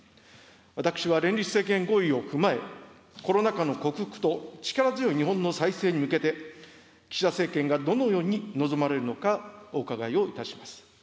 私は連立政権合意を踏まえ、コロナ禍の克服と力強い日本の再生に向けて、岸田政権がどのように臨まれるのか、お伺いをいたします。